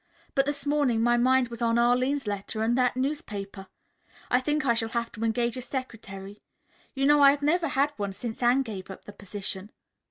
But this morning my mind was on Arline's letter and that newspaper. I think I shall have to engage a secretary. You know I've never had one since Anne gave up the position."